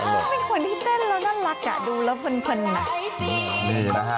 แบบเป็นคนที่เต้นแล้วน่ารักอ่ะ